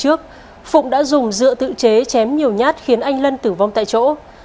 trước phụng đã dùng dựa tự chế chém nhiều nhát khiến anh lân tử vong tại chỗ